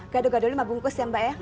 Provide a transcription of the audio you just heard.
gado gado lima bungkus ya mbak ya